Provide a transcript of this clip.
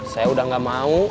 saya udah gak mau